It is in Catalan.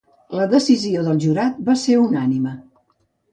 La decisió del jurat va ser unànime.